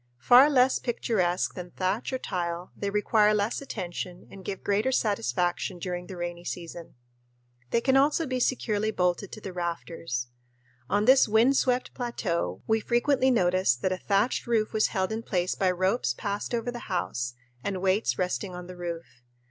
Far less picturesque than thatch or tile, they require less attention and give greater satisfaction during the rainy season. They can also be securely bolted to the rafters. On this wind swept plateau we frequently noticed that a thatched roof was held in place by ropes passed over the house and weights resting on the roof.